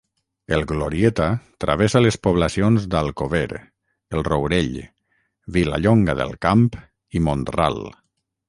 El Glorieta travessa les poblacions d'Alcover, el Rourell, Vilallonga del Camp i Mont-ral.